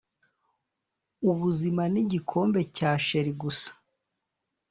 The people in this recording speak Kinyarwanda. ubuzima nigikombe cya cheri gusa